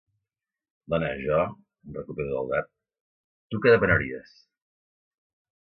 Dona, jo —em recupero del dard—, tu què demanaries?